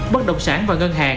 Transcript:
bất động sản và ngân hàng